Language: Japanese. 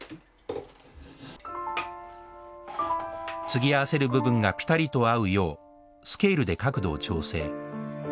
継ぎ合わせる部分がピタリと合うようスケールで角度を調整。